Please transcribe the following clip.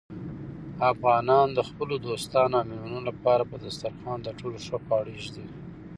افغانان د خپلو دوستانو او مېلمنو لپاره په دسترخوان تر ټولو ښه خواړه ایږدي.